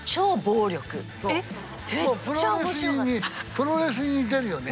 プロレスに似てるよね。